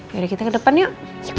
dari kita ke depan yuk